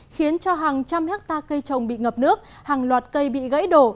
khiến cho hàng trăm hectare cây trồng bị ngập nước hàng loạt cây bị gãy đổ